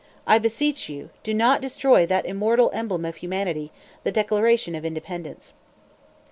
I beseech you, do not destroy that immortal emblem of humanity, the Declaration of Independence."